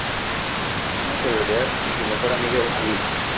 Ama colorear y su mejor amiga es Mill.